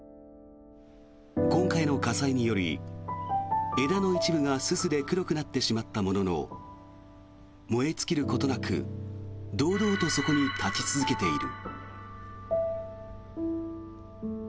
今回の火災により、枝の一部がすすで黒くなってしまったものの燃え尽きることなく堂々とそこに立ち続けている。